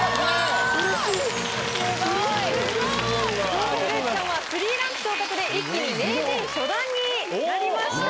久保田裕之さんは３ランク昇格で一気に名人初段になりました。